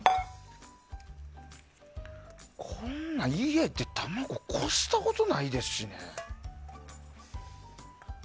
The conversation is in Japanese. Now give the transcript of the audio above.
こんな、家で卵こしたことないですしね。